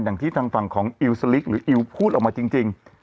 อย่างที่ทางฝั่งของอิวสลิกหรืออิวพูดออกมาจริง